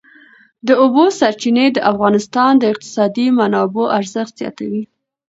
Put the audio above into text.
د اوبو سرچینې د افغانستان د اقتصادي منابعو ارزښت زیاتوي.